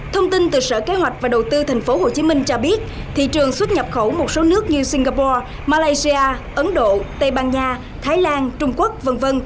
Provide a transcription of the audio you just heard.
thông tin từ sở kế hoạch và đầu tư thành phố hồ chí minh cho biết thị trường xuất nhập khẩu một số nước như singapore malaysia ấn độ tây ban nha thái lan trung quốc v v